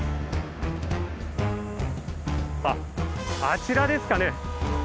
あっあちらですかね。